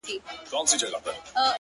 تا څه کول جانانه چي راغلی وې وه کور ته،